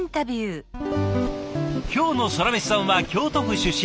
今日のソラメシさんは京都府出身